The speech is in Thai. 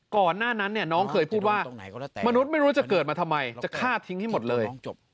ก่อนหน้านั้นเนี่ยน้องเคยพูดว่ามนุษย์ไม่รู้จะเกิดมาทำไมจะฆ่าทิ้งให้หมดเลย